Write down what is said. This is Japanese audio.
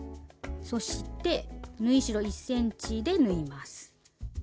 そして縫い代１ｃｍで縫います。